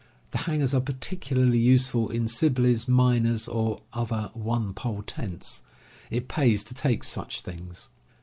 The hangers are particularly useful in Sibley, miner's, or other one pole tents. It pays to take such things.